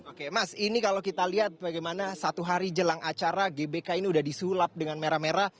oke mas ini kalau kita lihat bagaimana satu hari jelang acara gbk ini sudah disulap dengan merah merah